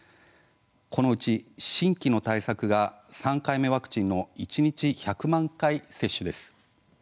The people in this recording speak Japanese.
このうち、新規の対策が３回目ワクチンの一日１００万回接種です。